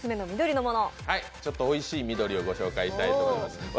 ちょっとおいしい緑をご紹介したいと思います。